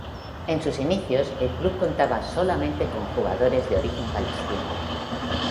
En sus inicios, el club contaba solamente con jugadores de origen palestino.